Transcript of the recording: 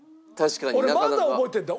俺まだ覚えてるんだよ。